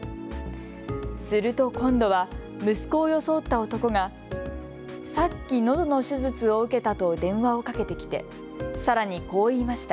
すると今度は息子を装った男がさっき、のどの手術を受けたと電話をかけてきてさらに、こう言いました。